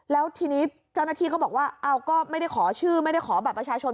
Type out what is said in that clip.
แล้วทีนี้เจ้าหน้าที่ก็บอกว่าเอาก็ไม่ได้ขอชื่อไม่ได้ขอบัตรประชาชน